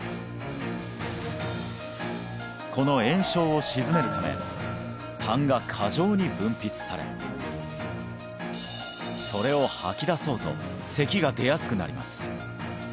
この炎症を鎮めるため痰が過剰に分泌されそれを吐き出そうと咳が出やすくなります